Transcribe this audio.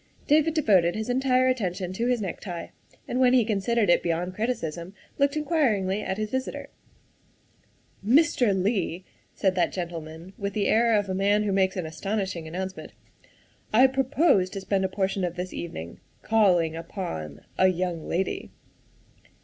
'' David devoted his entire attention to his necktie, and when he considered it beyond criticism looked in quiringly at his visitor. " Mr. Leigh," said that gentleman with the air of a man who makes an astonishing announcement, " I pro pose to spend a portion of this evening calling upon a young lady."